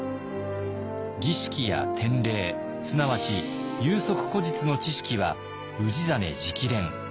儀式や典礼すなわち有職故実の知識は氏真直伝。